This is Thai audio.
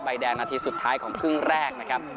แดงนาทีสุดท้ายของครึ่งแรกนะครับ